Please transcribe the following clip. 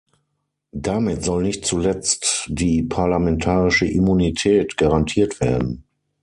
Damit soll nicht zuletzt die parlamentarische Immunität garantiert werden.